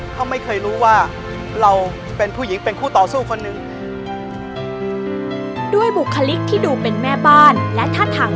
เขาไม่เคยรู้ว่าเราเป็นผู้หญิงเป็นคู่ต่อสู้คนหนึ่ง